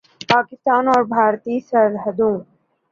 پاکستان اور بھارتی سرحدوں